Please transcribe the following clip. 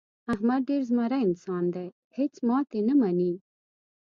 احمد ډېر زمری انسان دی. هېڅ ماتې نه مني.